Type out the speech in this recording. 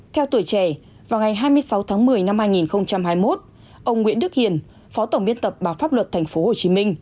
theo tuổi trẻ vào ngày hai mươi sáu tháng một mươi năm hai nghìn hai mươi một ông nguyễn đức hiền phó tổng biên tập báo pháp luật tp hcm